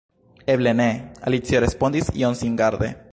"Eble ne," Alicio respondis iom singarde